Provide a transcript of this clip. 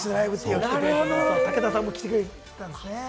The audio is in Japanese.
武田さんも着てくれたんですね。